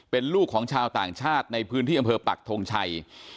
เป็นลูกของชาวต่างชาติในพื้นที่อำเภอปักทงชัย